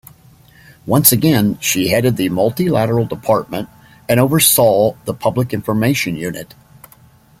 Once again, she headed the multilateral department and oversaw the Public Information Unit.